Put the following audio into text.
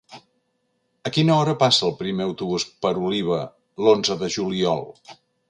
A quina hora passa el primer autobús per Oliva l'onze de juliol?